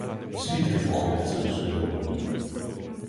Звідки походить це усвідомлення?